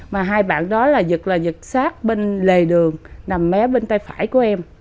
mà hai bạn đó giật là giật sát bên lề đường nằm mé bên tay phải của em